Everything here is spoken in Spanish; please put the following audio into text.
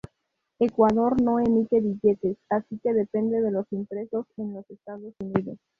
Ecuador no emite billetes, así que depende de los impresos en los Estados Unidos.